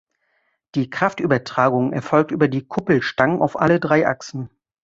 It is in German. Die Kraftübertragung erfolgt über die Kuppelstangen auf alle drei Achsen.